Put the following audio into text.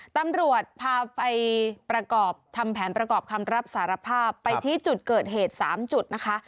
ตำรวจพาไปประกอบทำแผนประกอบคำรับสารภาพไปชี้จุดเกิดเหตุ๓จุดนะคะ